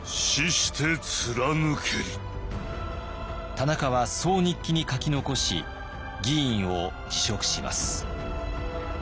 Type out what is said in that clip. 田中はそう日記に書き残し議員を辞職します。